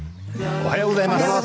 おはようございます。